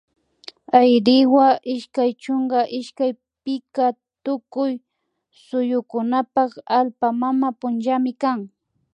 Ayriwa ishkay chunka ishkay pika tukuy suyukunapak allpa mama punllami kan